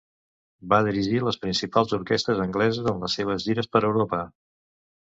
Va dirigir les principals orquestres angleses en les seves gires per Europa.